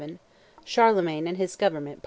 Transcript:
CHARLEMAGNE AND HIS GOVERNMENT.